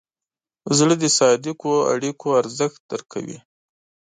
زړه د صادقو اړیکو ارزښت درک کوي.